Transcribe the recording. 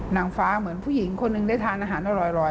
นางฟ้าเหมือนผู้หญิงคนหนึ่งได้ทานอาหารอร่อย